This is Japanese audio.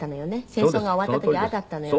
戦争が終わった時ああだったのよね。